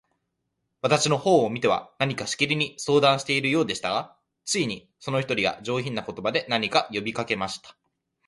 私の方を見ては、何かしきりに相談しているようでしたが、ついに、その一人が、上品な言葉で、何か呼びかけました。